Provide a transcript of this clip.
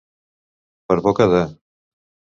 Per boca de.